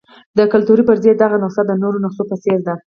د کلتوري فرضیې دغه نسخه د نورو نسخو په څېر ده.